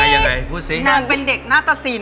หนังเป็นเด็กหน้าตะสิน